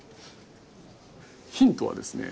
ヒントはですね